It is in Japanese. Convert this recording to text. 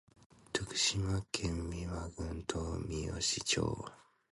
徳島県美馬郡東みよし町